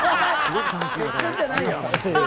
適切じゃないよ。